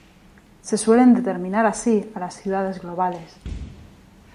Se suelen determinar así a las ciudades globales.